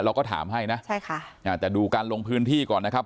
เราก็ถามให้นะใช่ค่ะอ่าแต่ดูการลงพื้นที่ก่อนนะครับ